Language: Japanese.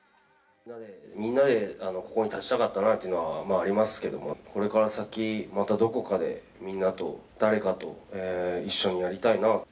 みんなでここに立ちたかったなっていうのはありますけども、これから先、またどこかでみんなと誰かと一緒にやりたいなと。